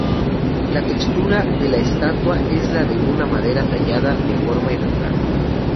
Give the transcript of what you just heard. La textura de la estatua es la de una madera tallada de forma irregular.